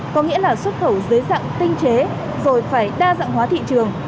có nghĩa là xuất khẩu dễ dàng tinh chế rồi phải đa dạng hóa thị trường